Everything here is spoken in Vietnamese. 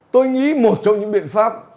tôi nghĩ một trong những biện pháp